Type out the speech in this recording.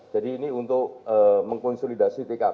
jadi ini untuk mengkonsolidasi tkp